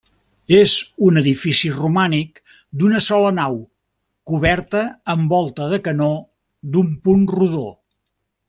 És un edifici romànic d'una sola nau, coberta amb volta de canó de punt rodó.